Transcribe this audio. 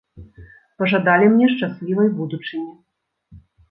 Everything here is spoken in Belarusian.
Пажадалі мне шчаслівай будучыні.